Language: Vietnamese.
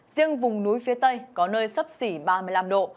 riêng vùng núi phía tây có nơi sấp xỉ ba mươi năm độ